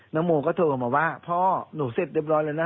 โมก็โทรมาว่าพ่อหนูเสร็จเรียบร้อยแล้วนะ